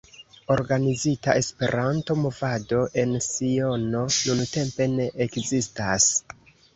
Organizita Esperanto-movado en Siono nuntempe ne ekzistas.